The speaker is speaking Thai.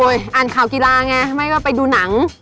อ้อยอ่านข่าวกีฬาไงไม่ว่าไปดูหนัง